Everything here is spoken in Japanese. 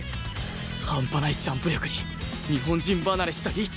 ハンパないジャンプ力に日本人離れしたリーチ